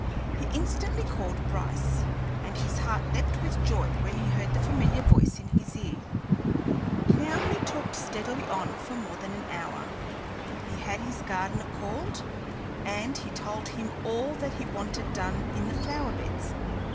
He instantly called Bryce, and his heart leaped with joy when he heard the familiar voice in his ear. Now he talked steadily on for more than an hour. He had his gardener called, and he told him all that he wanted done in the flower beds.